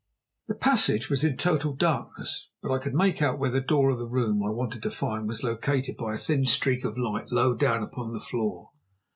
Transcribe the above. The passage was in total darkness; but I could make out where the door of the room I wanted to find was located by a thin streak of light low down upon the floor.